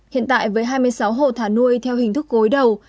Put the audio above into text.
hiện tại với hai mươi sáu hộ thả nuôi theo hình thức gối đầu